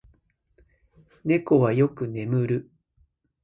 猫はよく眠る。